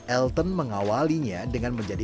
elton mengawalnya dengan menjadi